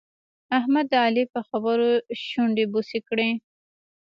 احمد د علي په خبرو شونډې بوڅې کړې.